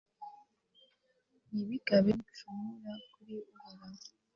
nti bikabeho ko ncumura kuri uhoraho